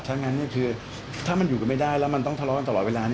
ถ้างั้นคือถ้ามันอยู่กันไม่ได้แล้วมันต้องทะเลาะกันตลอดเวลา